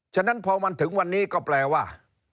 ฉะนั้นพอมันถึงวันนี้ก็แปลว่า